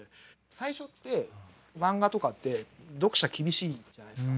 最初って漫画とかって読者厳しいじゃないですか。